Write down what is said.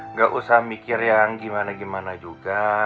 nggak usah mikir yang gimana gimana juga